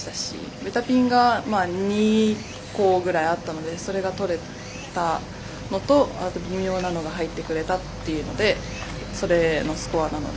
ベタピンが２個ぐらいあったのでそれがとれたのとあと、微妙なのが入ってくれたというのでそれのスコアなので。